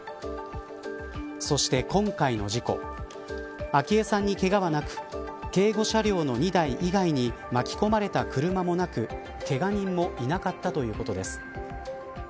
そして今回の事故昭恵さんにけがはなく警護車両の２台以外に巻き込まれた車もなくけが人もいなかったということです。